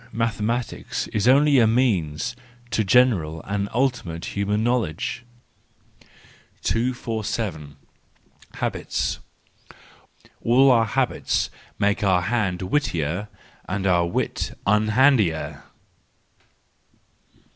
Mathematics is only a means to general and ultimate human knowledge. 247. Habits .—All habits make our hand wittier and our wit unhandier.